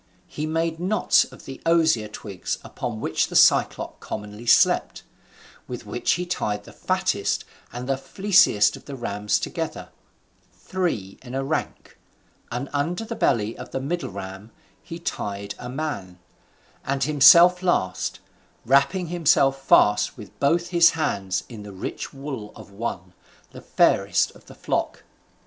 He made knots of the osier twigs upon which the Cyclop commonly slept; with which he tied the fattest and fleeciest of the rams together, three in a rank, and under the belly of the middle ram he tied a man, and himself last, wrapping himself fast with both his hands in the rich wool of one, the fairest of the flock.